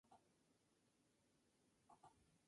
Los adultos se encuentran en flores a menudo.